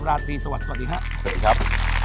ราวที่สวัสดีครับ